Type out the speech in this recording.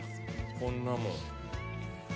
こんなもん。